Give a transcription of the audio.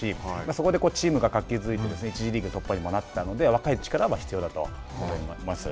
そこでチームが活気づいて１次リーグ突破になったので若い力は必要だと思います。